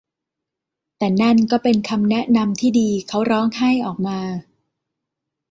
แต่นั่นก็เป็นคำแนะนำที่ดี เขาร้องไห้ออกมา